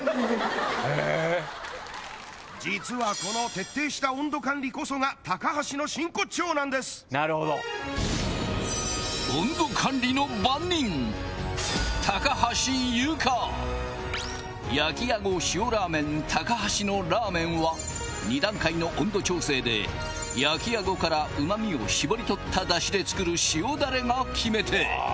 へぇ実はこの徹底した温度管理こそが橋の真骨頂なんですなるほどのラーメンは２段階の温度調整で焼きあごからうま味を絞り取った出汁で作る塩ダレが決め手！